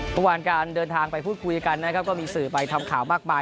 เมื่อวานการเดินทางไปพูดคุยกันนะครับก็มีสื่อไปทำข่าวมากมาย